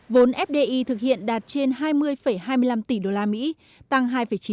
vốn fdi thực hiện đạt trên hai mươi hai mươi năm tỷ đô la mỹ tăng hai chín